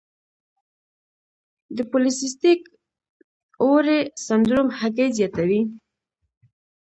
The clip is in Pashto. د پولی سیسټک اووری سنډروم هګۍ زیاتوي.